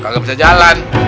gak bisa jalan